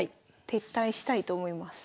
撤退したいと思います。